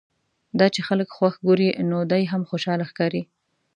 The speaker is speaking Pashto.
دا چې خلک خوښ ګوري نو دی هم خوشاله ښکاري.